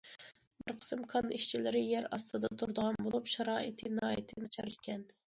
بىر قىسىم كان ئىشچىلىرى يەر ئاستىدا تۇرىدىغان بولۇپ، شارائىتى ناھايىتى ناچار ئىكەن.